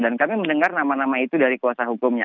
dan kami mendengar nama nama itu dari kuasa hukumnya